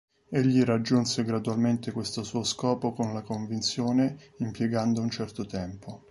Egli raggiunse gradualmente questo suo scopo con la convinzione, impiegando un certo tempo.